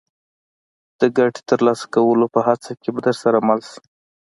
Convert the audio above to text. د ګټې ترلاسه کولو په هڅه کې به درسره مل شي.